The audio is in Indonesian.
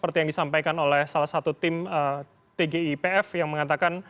tim tgipf yang mengatakan